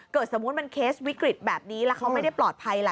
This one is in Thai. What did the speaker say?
สมมุติมันเคสวิกฤตแบบนี้แล้วเขาไม่ได้ปลอดภัยล่ะ